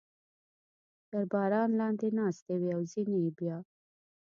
تر باران لاندې ناستې وې او ځینې یې بیا.